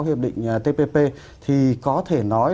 hiệp định tpp thì có thể nói